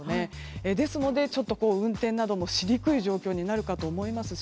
ですので、運転などもしにくい状況になるかと思いますし